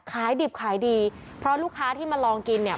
ขายดิบขายดีเพราะลูกค้าที่มาลองกินเนี่ย